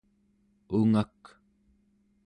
ungak